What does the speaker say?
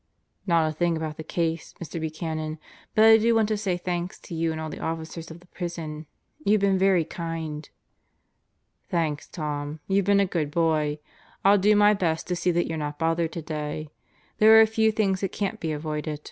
"Not a thing about the case, Mr. Buchanan. But I do want to say thanks to you and all the officers of the prison. You've been very kind." "Thanks, Tom. You've been a good boy. I'll do my best to see that you're not bothered today. There are a few things that can't be avoided.